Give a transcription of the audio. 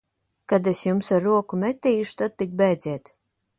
Kad es jums ar roku metīšu, tad tik bēdziet!